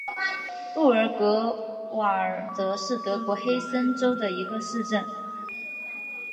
布尔格瓦尔德是德国黑森州的一个市镇。